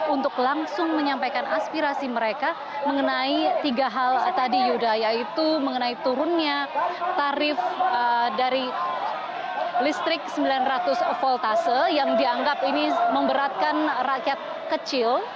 untuk langsung menyampaikan aspirasi mereka mengenai tiga hal tadi yuda yaitu mengenai turunnya tarif dari listrik sembilan ratus voltase yang dianggap ini memberatkan rakyat kecil